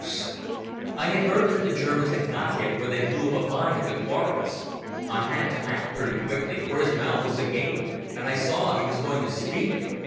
I had heard that the Germans had got him when they blew up a mine at the Quarries. I had to act pretty quick, for his mouth was agape, and I saw he was going to speak.